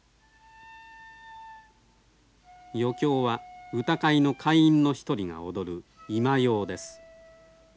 余興は歌会の会員の一人が踊る今様です。